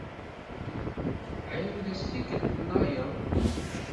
Ɛiwed-as tikkelt-nnayeḍ.